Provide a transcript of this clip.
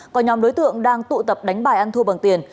có nhóm đối tượng đang tụ tập đánh bài ăn thua bằng tiền